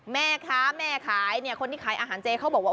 แม่ค้าแม่ขายเนี่ยคนที่ขายอาหารเจเขาบอกว่า